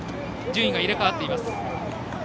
順位が入れ代わっています。